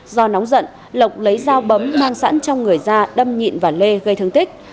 do nóng giận lộc lấy dao bấm mang sẵn trong người da đâm nhịn và lê gây thương tích